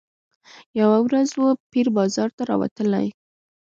یوه ورځ وو پیر بازار ته راوتلی